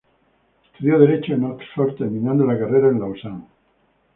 Estudió derecho en Oxford, terminando la carrera en Lausanne.